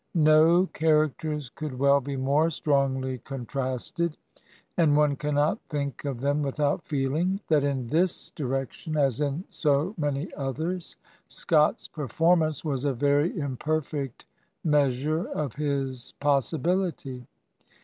No characters could well be more strongly contrasted, and one cannot think of them without feehng that in this direction, as in so many others, Scott's performance was a very imperfect measure of his possibility.